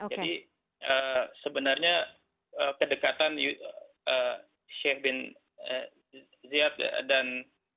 jadi sebenarnya kedekatan sheikh bin ziyad dan